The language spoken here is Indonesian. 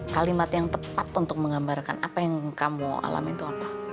kalimat yang tepat untuk menggambarkan apa yang kamu alamin itu apa